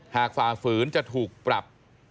ฝ่าฝืนจะถูกปรับ